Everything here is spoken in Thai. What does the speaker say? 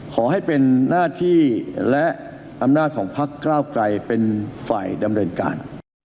ขอให้เป็นหน้าที่และอำนาจของพักก้าวไกลเป็นฝ่ายดำเนินการ